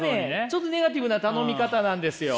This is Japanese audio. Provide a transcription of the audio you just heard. ちょっとネガティブな頼み方なんですよ。